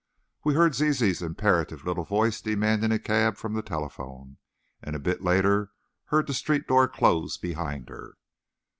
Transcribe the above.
We heard Zizi's imperative little voice demanding a cab from the telephone, and a bit later heard the street door close behind her.